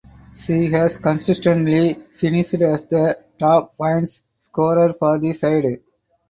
She has consistently finished as the top points scorer for the side.